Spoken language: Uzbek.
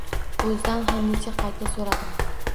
O`zidan ham necha qayta so`radim